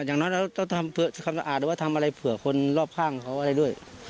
อย่างน้อยเราต้องทำความสะอาดหรือว่าทำอะไรเผื่อคนรอบข้างเขาอะไรด้วย